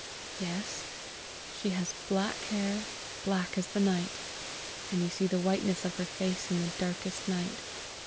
Yes, she has black hair, black as the night; and you see the whiteness of her face in the darkest night.